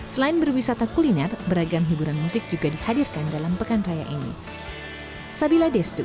selain berwisata kuliner beragam hiburan musik juga dihadirkan dalam pekan raya ini